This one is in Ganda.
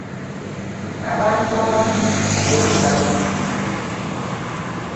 Abantu abamu beyisa bubi.